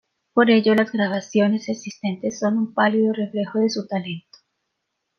Por ello las grabaciones existentes son un pálido reflejo de su talento.